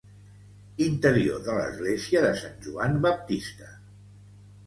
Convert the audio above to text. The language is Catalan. Interior de l'Església de Sant Joan Baptista